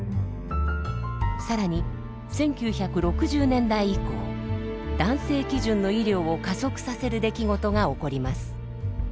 更に１９６０年代以降男性基準の医療を加速させる出来事が起こります。